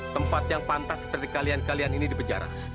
tempat yang pantas seperti kalian kalian ini dibejar